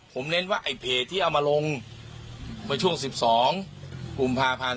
ผมร้อยเพจที่เอามาลงมันช่วง๑๒วุปาพลันที่๖๔เนี่ยคุณขออนุญาตใครมาลง